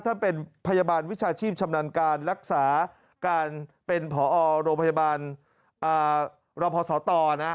ท่านเป็นพยาบาลวิชาชีพชำนาญการรักษาการเป็นผอโรงพยาบาลรพศตนะ